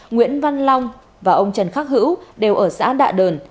nguyễn văn long và ông trần khắc hữu đều ở xã đạ đờn